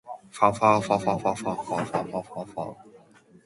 He had been driven out of every hole and corner.